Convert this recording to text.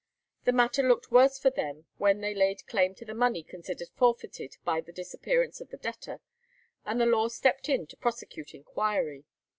The matter looked worse for them when they laid claim to the money considered forfeited by the disappearance of the debtor, and the law stepped in to prosecute inquiry.